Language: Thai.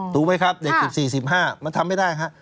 ถูกไหมครับเด็ก๑๔๑๕มันทำไม่ได้ฮะ